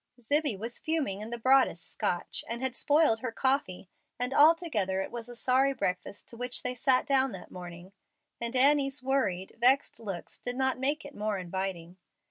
Zibbie was fuming in the broadest Scotch, and had spoiled her coffee, and altogether it was a sorry breakfast to which they sat down that morning; and Annie's worried, vexed looks did not make it more inviting.